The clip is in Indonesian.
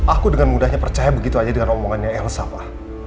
aku dengan mudahnya percaya begitu aja dengan omongannya elsa apa